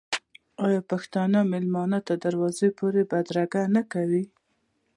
آیا پښتون میلمه تر دروازې پورې بدرګه نه کوي؟